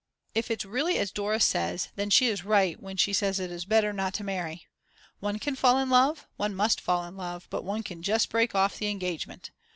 If it's really as Dora says, then she is right when she says it is better not to marry. One can fall in love, one must fall in love, but one can just break off the engagement.